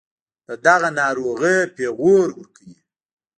دَدغه ناروغۍپېغور ورکوي